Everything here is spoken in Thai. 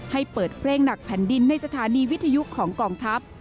ให้เปิดเพลงหนักแผ่นดินในสถานีวิทยุของกองทัพ